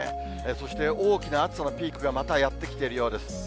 そして、大きな暑さのピークがまたやって来ているようです。